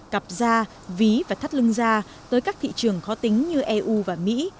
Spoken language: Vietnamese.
cặp da ví và thắt lưng da tới các thị trường khó tính như eu và mỹ